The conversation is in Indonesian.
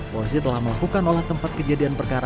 polisi telah melakukan olah tempat kejadiannya